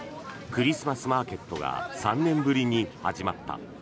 クリスマスマーケットが３年ぶりに始まった。